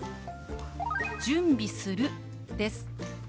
「準備する」です。